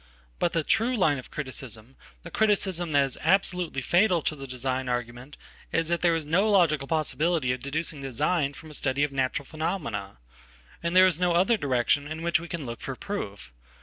But the true line of criticism, the criticism that is absolutelyfatal to the design argument is that there is no logicalpossibility of deducing design from a study of natural phenomena. And there is no other direction in which we can look for proof.